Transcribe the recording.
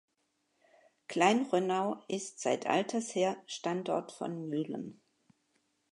Klein Rönnau ist seit alters her Standort von Mühlen.